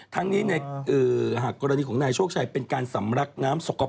ทั้งนี้ก็รู้เอย่างิดเชิง